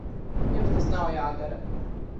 Jums tas nav jādara.